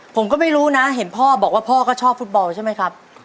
ผมก็ไม่รู้นะเห็นพ่อบอกว่าพ่อก็ชอบฟุตบอลใช่ไหมครับ